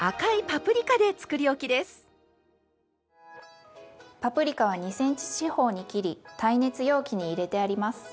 パプリカは２ｃｍ四方に切り耐熱容器に入れてあります。